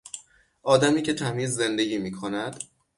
آدمی که تمیز زندگی میکند